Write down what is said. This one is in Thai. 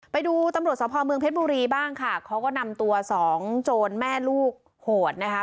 ไปดูตำรวจสภเมืองเพชรบุรีบ้างค่ะเขาก็นำตัวสองโจรแม่ลูกโหดนะคะ